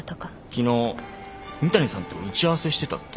昨日仁谷さんと打ち合わせしてたって。